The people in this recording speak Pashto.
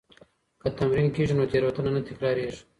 که تمرین کېږي نو تېروتنه نه تکرارېږي.